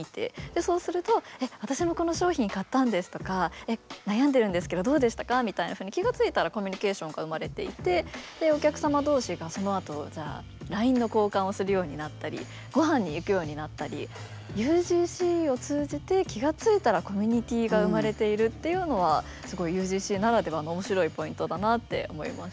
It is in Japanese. そうすると「私もこの商品買ったんです」とか「悩んでるんですけどどうでしたか」みたいなふうに気が付いたらコミュニケーションが生まれていてでお客様同士がそのあとＬＩＮＥの交換をするようになったりごはんに行くようになったりっていうのはすごいＵＧＣならではの面白いポイントだなって思いました。